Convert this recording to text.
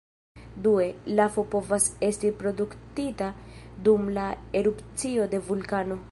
Due, lafo povas esti produktita dum la erupcio de vulkano.